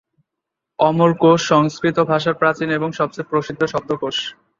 অমরকোষ সংস্কৃত ভাষার প্রাচীন এবং সবচেয়ে প্রসিদ্ধ শব্দকোষ।